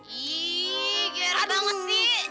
ih keren banget sih